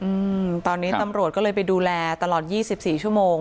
อืมตอนนี้ตำรวจก็เลยไปดูแลตลอด๒๔ชั่วโมง